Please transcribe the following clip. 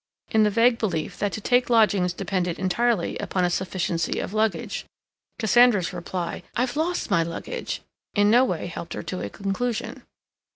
in the vague belief that to take lodgings depended entirely upon a sufficiency of luggage. Cassandra's reply, "I've lost my luggage," in no way helped her to a conclusion.